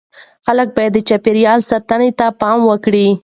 خلک باید د چاپیریال ساتنې ته پام وکړي.